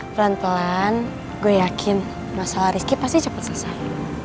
pelan pelan gue yakin masalah rizky pasti cepat selesai